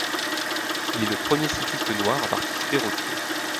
Il est le premier cycliste noir à participer au Tour.